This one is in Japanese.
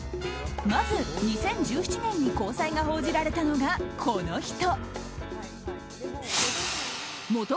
まず、２０１７年に交際が報じられたのがこの人。